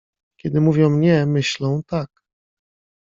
Kiedy mówią „nie”, myślą „tak”.